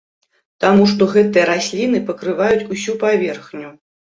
Таму што гэтыя расліны пакрываюць усю паверхню.